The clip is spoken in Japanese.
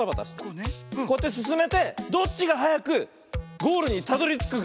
こうやってすすめてどっちがはやくゴールにたどりつくか。